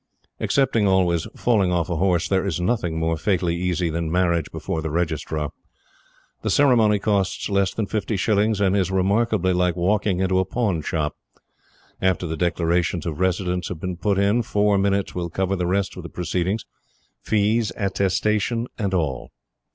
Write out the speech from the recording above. Excepting, always, falling off a horse there is nothing more fatally easy than marriage before the Registrar. The ceremony costs less than fifty shillings, and is remarkably like walking into a pawn shop. After the declarations of residence have been put in, four minutes will cover the rest of the proceedings fees, attestation, and all.